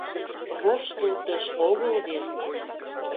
Воштылтыш огыл вет.